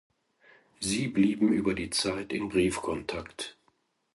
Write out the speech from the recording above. Sie blieben über die Zeit in Briefkontakt.